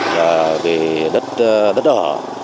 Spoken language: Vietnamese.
về đất ở